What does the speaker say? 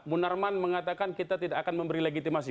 munarman mengatakan kita tidak akan memberi legitimasi